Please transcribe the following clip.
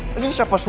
tapi ini siapa suruh